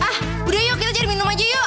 ah udah yuk kita cari minum aja yuk